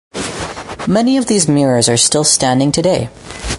Many of these mirrors are still standing today.